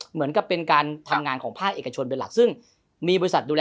เหมือนกับเป็นการทำงานของภาคเอกชนเป็นหลักซึ่งมีบริษัทดูแล